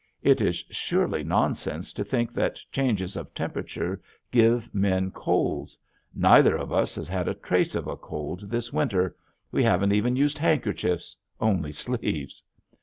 It is surely nonsense to think that changes of temperature give men colds. Neither of us has had a trace of a cold this winter, we haven't even used handkerchiefs only sleeves.